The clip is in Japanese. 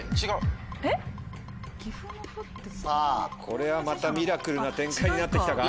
これはまたミラクルな展開になって来たか？